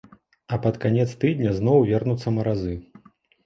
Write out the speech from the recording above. А пад канец тыдня зноў вернуцца маразы.